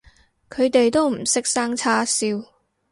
佢哋都唔識生叉燒